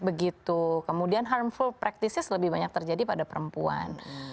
begitu kemudian harmful practices lebih banyak terjadi pada perempuan